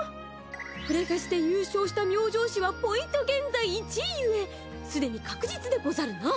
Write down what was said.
フレフェスで優勝した明星氏はポイント現在１位ゆえすでに確実でござるな！